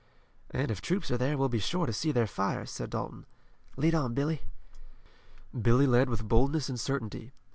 "And if troops are there we'll be sure to see their fires," said Dalton. "Lead on, Billy." Billy led with boldness and certainty.